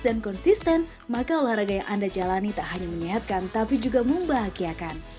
konsisten maka olahraga yang anda jalani tak hanya menyehatkan tapi juga membahagiakan